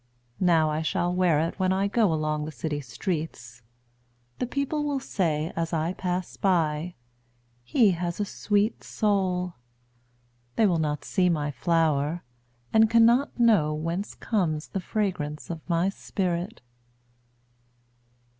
Now I shall wear itWhen I goAlong the city streets:The people will sayAs I pass by—"He has a sweet soul!"They will not see my flower, And cannot knowWhence comes the fragrance of my spirit!